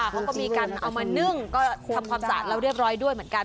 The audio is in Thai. เขาก็มีการเอามานึ่งก็ทำความสะอาดแล้วเรียบร้อยด้วยเหมือนกัน